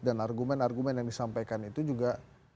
dan argumen argumen yang disampaikan itu juga